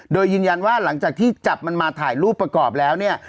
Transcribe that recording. โดยยืนยันว่าหลังจากที่จับมันมาถ่ายรูปประกอบแล้วเนี่ย